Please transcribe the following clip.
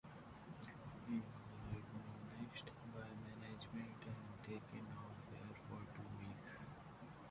He was admonished by management and taken off-air for two weeks.